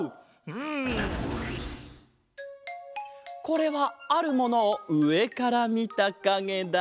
これはあるものをうえからみたかげだ。